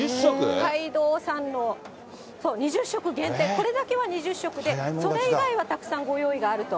北海道産の、そう、２０食限定、これだけは２０食で、それ以外はたくさんご用意があると。